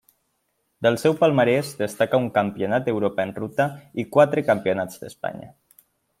Del seu palmarès destaca un Campionat d'Europa en ruta i quatre Campionats d'Espanya.